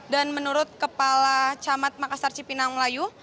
dan menurut kepala camat makassar cipinang melayu